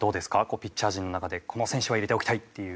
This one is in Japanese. ピッチャー陣の中でこの選手は入れておきたいっていう。